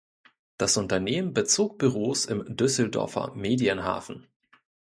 Das Unternehmen bezog Büros im Düsseldorfer Medienhafen.